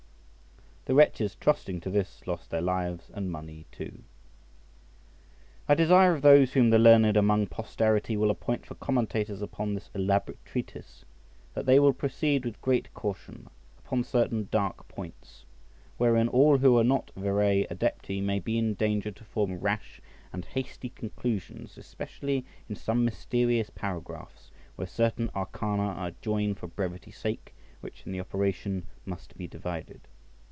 The wretches trusting to this lost their lives and money too. I desire of those whom the learned among posterity will appoint for commentators upon this elaborate treatise, that they will proceed with great caution upon certain dark points, wherein all who are not verè adepti may be in danger to form rash and hasty conclusions, especially in some mysterious paragraphs, where certain arcana are joined for brevity sake, which in the operation must be divided.